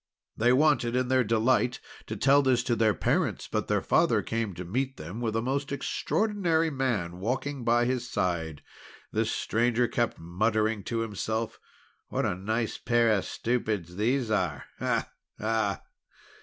They wanted, in their delight, to tell this to their parents, but their father came to meet them with a most extraordinary man walking by his side. This stranger kept muttering to himself: "What a nice pair of stupids these are! Ah! Ah!"